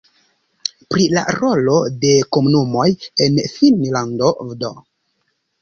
Pri la rolo de komunumoj en Finnlando vd.